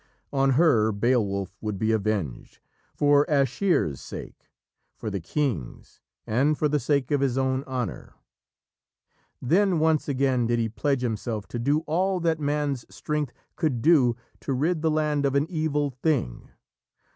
On her Beowulf would be avenged, for Aschere's sake, for the king's, and for the sake of his own honour. Then once again did he pledge himself to do all that man's strength could do to rid the land of an evil thing.